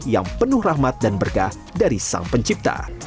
yang penuh rahmat dan berkah dari sang pencipta